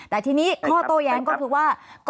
แต่ทีนี้ข้อโต้แย้งก็คือว่า